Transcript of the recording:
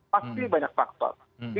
pasti banyak faktor